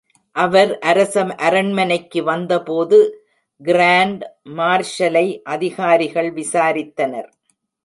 அவர் அரச அரண்மனைக்கு வந்தபோது, கிராண்ட் மார்ஷலை அதிகாரிகள் விசாரித்தனர்.